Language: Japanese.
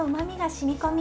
染み込み